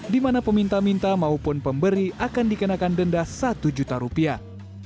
di mana peminta minta maupun pemberi akan dikenakan denda satu juta rupiah